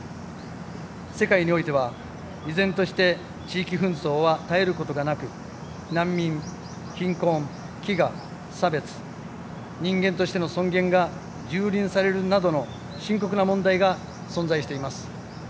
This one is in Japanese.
世界においては、依然として地域紛争は絶えることがなく難民、貧困、飢餓、差別人間としての尊厳が蹂躙されるなどの深刻な問題が存在しています。